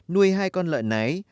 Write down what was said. nuôi hai con lợn nái